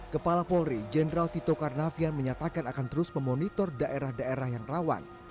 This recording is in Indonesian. kepala polri jenderal tito karnavian menyatakan akan terus memonitor daerah daerah yang rawan